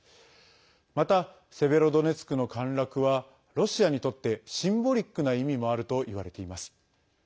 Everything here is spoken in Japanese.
また、セベロドネツクの陥落はロシアにとってシンボリックな意味もあるといわれています。